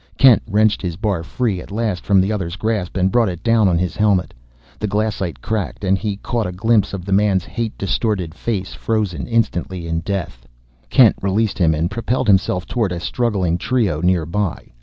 Kent wrenched his bar free at last from the other's grasp and brought it down on his helmet. The glassite cracked, and he caught a glimpse of the man's hate distorted face frozen instantly in death. Kent released him and propelled himself toward a struggling trio nearby.